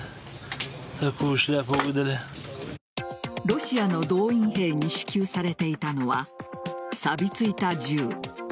ロシアの動員兵に支給されていたのはさびついた銃。